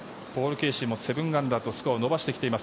ケーシーも７アンダーとスコアを伸ばしてきています。